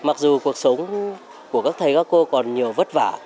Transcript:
mặc dù cuộc sống của các thầy các cô còn nhiều vất vả